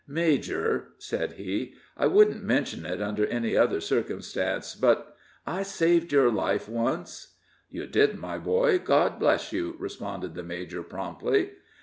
"Major," said he, "I wouldn't mention it under any other circumstances, but I saved your life once?" "You did, my boy. God bless you!" responded the major, promptly.